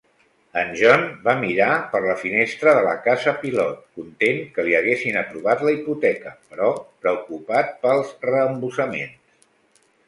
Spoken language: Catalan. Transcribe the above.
En John va mirar per la finestra de la casa pilot, content que li haguessin aprovat la hipoteca, però preocupat pels reembossaments.